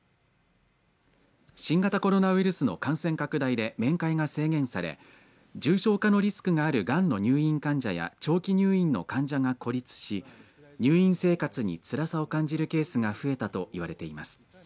新型コロナウイルスの感染拡大で面会が制限され重症化のリスクがあるがんの入院患者や長期入院の患者が孤立し入院生活につらさを感じるケースが増えたといわれています。